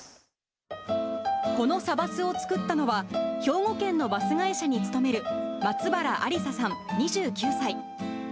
このサバスを作ったのは、兵庫県のバス会社に勤める松原安理佐さん２９歳。